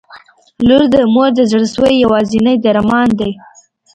• لور د مور د زړسوي یوازینی درمان دی.